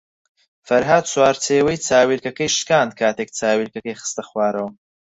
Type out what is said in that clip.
فەرھاد چوارچێوەی چاویلکەکەی شکاند کاتێک چاویلکەکەی خستە خوارەوە.